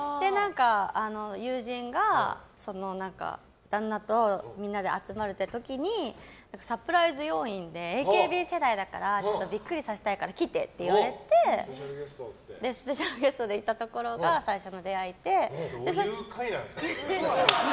友人が、旦那とみんなで集まる時にサプライズ要員でＡＫＢ世代だからびっくりさせたいから来てと言われてスペシャルゲストで行ったところがそれ、どういう会なんですか。